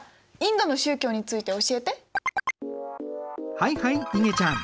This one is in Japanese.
はいはいいげちゃん。